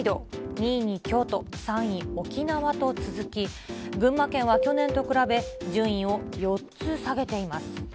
２位に京都、３位、沖縄と続き、群馬県は去年と比べ、順位を４つ下げています。